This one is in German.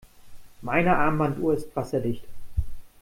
Meine Armbanduhr ist wasserdicht.